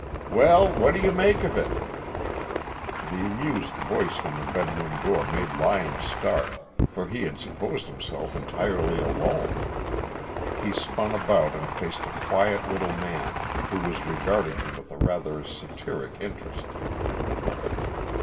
"Well, what do you make of it?" The amused voice from the bedroom door made Lyon start, for he had supposed himself entirely alone. He spun about and faced a quiet little man, who was regarding him with a rather satiric interest.